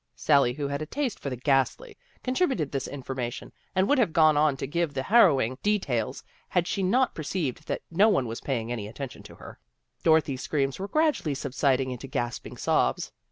Sally, who had a taste for the ghastly, contributed this information, and would have gone on to give the harrowing details had she not perceived that no one was paying any atten tion to her. Dorothy's screams were gradually subsiding into gasping sobs.